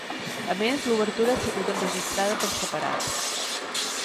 A més, l'obertura ha sigut enregistrada per separat.